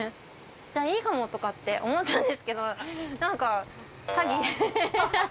じゃあいいかもとかって思ったんですけど、なんか、詐欺。